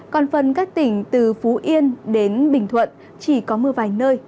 còn phần các tỉnh từ phú yên đến bình thuận chỉ có mưa vài nơi